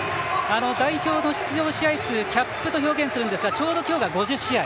代表の出場試合数キャップと表現するんですがちょうど今日が５０試合。